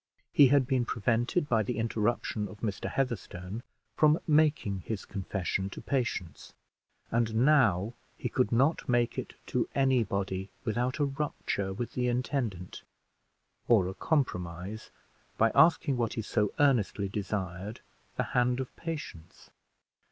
He had been prevented, by the interruption of Mr. Heatherstone, from making his confession to Patience; and now he could not make it to any body without a rupture with the intendant, or a compromise, by asking what he so earnestly desired the hand of Patience.